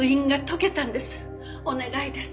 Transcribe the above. お願いです。